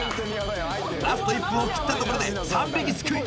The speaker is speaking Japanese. ラスト１分を切ったところで３匹すくい